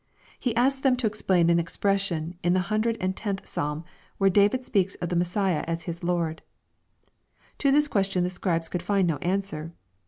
He asks them to explain an expression in the hundred and tenth Psalm, where David speaks of the Messiah as his Lord. To this question the Scribes could find no answer.